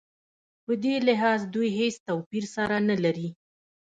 په دې لحاظ دوی هېڅ توپیر سره نه لري.